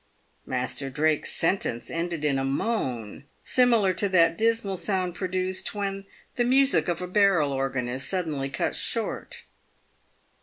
Master Drake's sentence ended in a moan similar to that dismal sound produced when the music of a barrel organ is suddenly cut short.